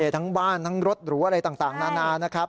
ทั้งบ้านทั้งรถหรูอะไรต่างนานานะครับ